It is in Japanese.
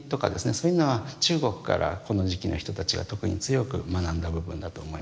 そういうのは中国からこの時期の人たちは特に強く学んだ部分だと思います。